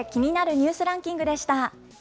ニュースランキングでした。